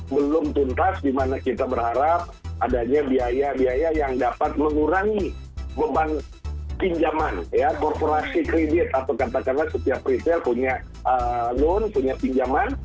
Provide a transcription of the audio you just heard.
belum tuntas dimana kita berharap adanya biaya biaya yang dapat mengurangi beban pinjaman korporasi kredit atau katakanlah setiap retail punya loan punya pinjaman